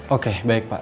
oke baik pak